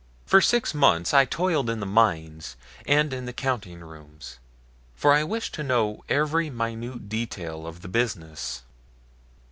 For six months I toiled in the mines and in the counting rooms, for I wished to know every minute detail of the business.